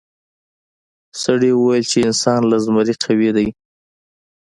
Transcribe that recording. سړي وویل چې انسان له زمري قوي دی.